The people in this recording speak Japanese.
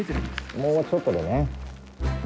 もうちょっとでね。